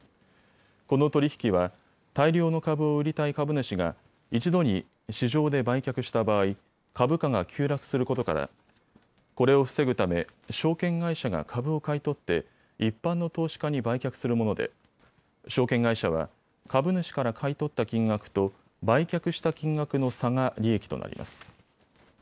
この取り引きは大量の株を売りたい株主が一度に市場で売却した場合、株価が急落することからこれを防ぐため証券会社が株を買い取って一般の投資家に売却するもので証券会社は株主から買い取った金額と売却した金額の差が利益となります。